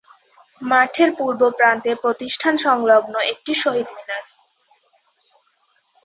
মাঠের পূর্ব প্রান্তে প্রতিষ্ঠান সংলগ্ন একটি শহীদ মিনার।